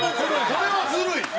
これはずるい。